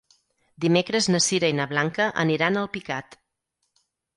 Dimecres na Sira i na Blanca aniran a Alpicat.